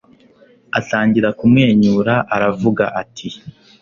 atangira kumwenyura aravuga ati